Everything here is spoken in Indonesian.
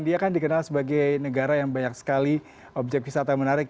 dia kan dikenal sebagai negara yang banyak sekali objek wisata yang menarik